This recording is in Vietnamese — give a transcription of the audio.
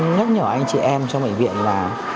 nhắc nhở anh chị em trong bệnh viện